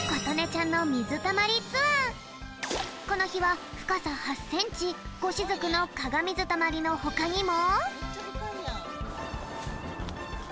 このひはふかさ８ｃｍ５しずくのかがみずたまりのほかにも。